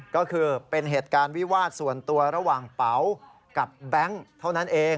ก็คือเป็นเหตุการณ์วิวาสส่วนตัวระหว่างเป๋ากับแบงค์เท่านั้นเอง